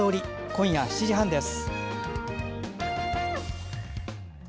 今夜７時半です。